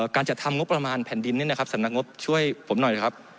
การจัดทำงบประมาณแผ่นดินนี่นะครับสำนักงบช่วยผมหน่อยนะครับ